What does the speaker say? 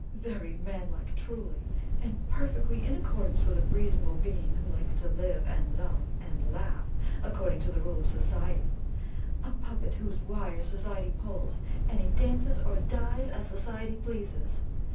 Very manlike, truly; and perfectly in accordance with a reasonable being who likes to live and love and laugh according to the rule of society a puppet whose wires society pulls, and he dances or dies as society pleases.